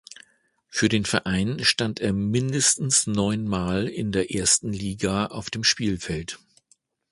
Für den Verein stand er mindestens neunmal in der ersten Liga auf dem Spielfeld.